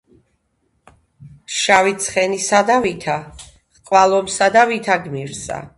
შავი ცხენი სადავითა ჰყვა ლომსა და ვითა გმირსა